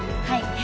はい。